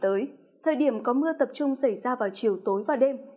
trong thời tiết mát mẻ thời điểm có mưa tập trung xảy ra vào chiều tối và đêm